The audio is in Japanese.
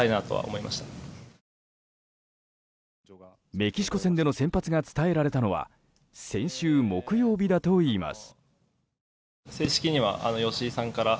メキシコ戦での先発が伝えられたのは先週木曜日だといいます。